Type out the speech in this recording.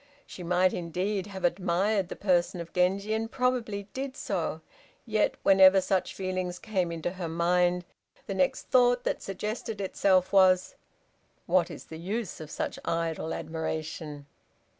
She might, indeed, have admired the person of Genji, and probably did so, yet, whenever such feelings came into her mind, the next thought that suggested itself was, "What is the use of such idle admiration?"